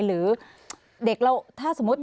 หรือเด็กเราถ้าสมมุติมาดที่สุด